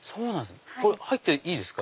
入っていいですか？